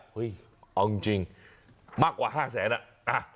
เฮ้ยเอาจริงมากกว่า๕แสนอะ